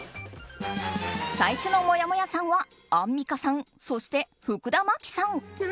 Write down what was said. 最初のもやもやさんはアンミカさんそして、福田麻貴さん。